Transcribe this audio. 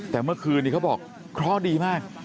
แต่เมื่อคืนเนี่ยเขาบอกเค้าดีมาก